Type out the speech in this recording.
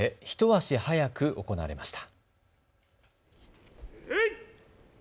一足早く行われました。